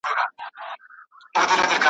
له اسمانه درته زرکي راولمه `